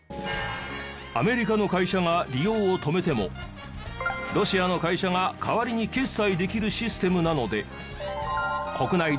アメリカの会社が利用を止めてもロシアの会社が代わりに決済できるシステムなので。